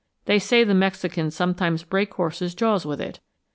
They say the Mexicans sometimes break horses' jaws with it.